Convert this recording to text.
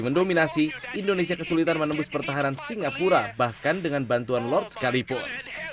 mendominasi indonesia kesulitan menembus pertahanan singapura bahkan dengan bantuan lord sekalipun